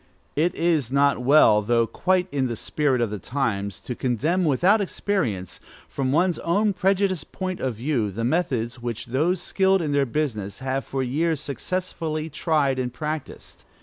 It is not well, though quite in the spirit of the times, to condemn without experience, from one's own prejudiced point of view, the methods which those skilled in their business have for years successfully tried and practised.